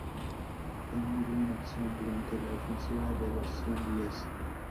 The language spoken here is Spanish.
Él murió en acción durante la Ofensiva de los Cien Días.